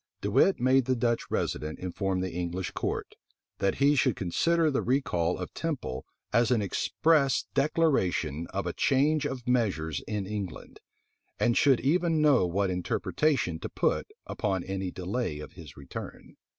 De Wit made the Dutch resident inform the English court, that he should consider the recall of Temple as an express declaration of a change of measures in England; and should even know what interpretation to put upon any delay of his return.